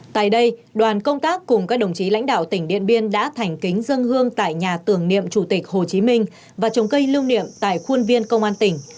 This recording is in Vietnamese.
tại đây đoàn công tác cùng các đồng chí lãnh đạo tỉnh điện biên đã thành kính dân hương tại nhà tưởng niệm chủ tịch hồ chí minh và trồng cây lưu niệm tại khuôn viên công an tỉnh